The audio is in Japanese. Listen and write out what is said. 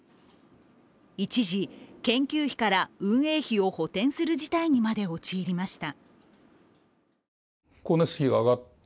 一時、研究費から運営費を補填する事態にまで陥りました。